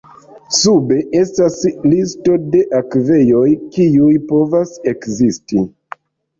Sube estas listo de akvejoj, kiuj povas ekzisti.